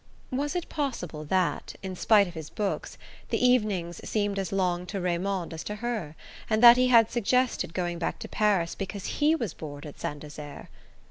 Was it possible that, in spite of his books, the evenings seemed as long to Raymond as to her, and that he had suggested going back to Paris because he was bored at Saint Desert?